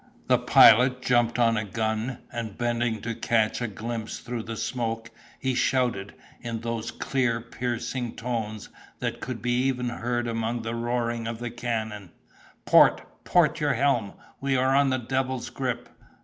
The Pilot jumped on a gun, and bending to catch a glimpse through the smoke, he shouted, in those clear, piercing tones, that could be even heard among the roaring of the cannon, "Port, port your helm! we are on the Devil's Grip!